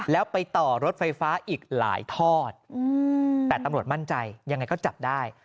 แล้วไปต่อรถไฟฟ้าอีกหลายทอดแต่ตำรวจมั่นใจยังไงก็จับได้